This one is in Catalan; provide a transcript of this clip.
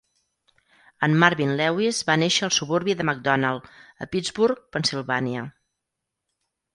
En Marvin Lewis va néixer al suburbi de McDonald, a Pittsburgh, Pennsylvania.